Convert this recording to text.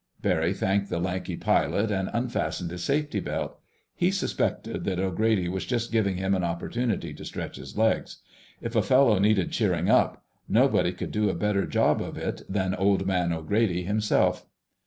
Barry thanked the lanky pilot and unfastened his safety belt. He suspected that O'Grady was just giving him an opportunity to stretch his legs. If a fellow needed cheering up, nobody could do a better job of it than "Old Man" O'Grady himself.